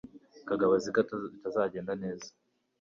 kagabo azi ko bitazagenda neza